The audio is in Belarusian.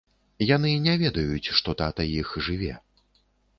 Яны не ведаюць, што тата іх жыве.